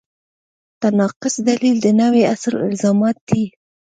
تناقض دلیل د نوي عصر الزامات دي.